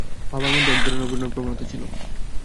বাবার মধ্যে একধরনের অভিনয় প্রবণতা ছিল।